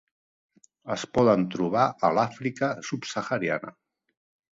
Es poden trobar a l'Àfrica subsahariana.